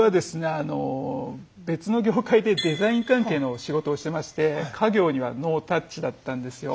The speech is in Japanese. あの別の業界でデザイン関係の仕事をしてまして家業にはノータッチだったんですよ。